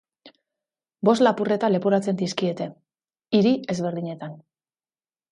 Bost lapurreta leporatzen dizkiete, hiri ezberdinetan.